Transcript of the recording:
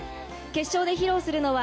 決勝で披露するのは。